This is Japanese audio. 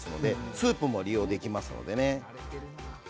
スープも利用できますよ。